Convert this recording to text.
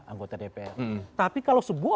anggota dpr tapi kalau sebuah